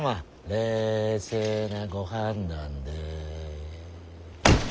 冷静なご判断で。